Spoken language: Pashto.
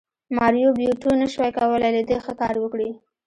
ماریو بیوټو نشوای کولی له دې ښه کار وکړي